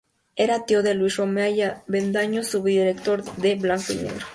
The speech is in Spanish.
Era tío de Luis Romea y Avendaño, subdirector de "Blanco y Negro".